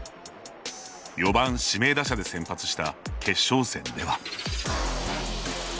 ４番・指名打者で先発した決勝戦では。